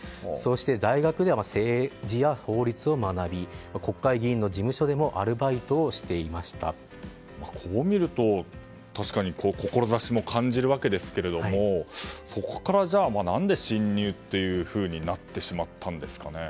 大学では政治や法律を学び国会議員の事務所でもこう見ると、確かに志も感じるわけですがそこからなぜ侵入となってしまったんですかね。